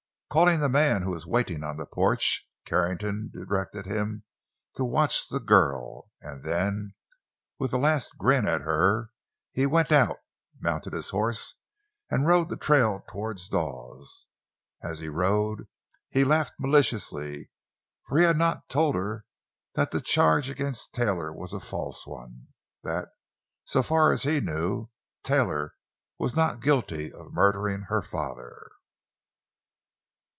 Calling the man who was waiting on the porch, Carrington directed him to watch the girl; and then, with a last grin at her, he went out, mounted his horse, and rode the trail toward Dawes. And as he rode, he laughed maliciously, for he had not told her that the charge against Taylor was a false one, and that, so far as he knew, Taylor was not guilty of murdering her father.